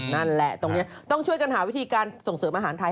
นั่นแหละตรงนี้ต้องช่วยกันหาวิธีการส่งเสริมอาหารไทย